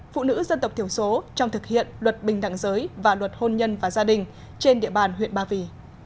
phụ nữ dân tộc thiểu số trong thực hiện luật bình đẳng giới và luật hôn nhân và gia đình trên địa bàn huyện ba vì